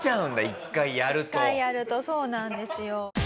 一回やるとそうなんですよ。